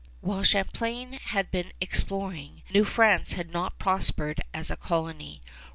While Champlain had been exploring, New France had not prospered as a colony.